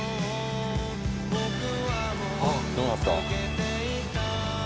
あっどうなった？